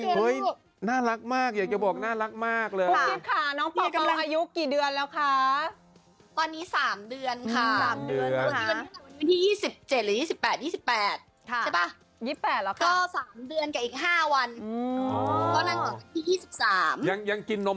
เป่าบังพีหรอทำไมชื่อเป่าบังพีนะฮะ